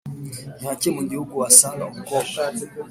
ni hake mu gihugu wasanga umukobwa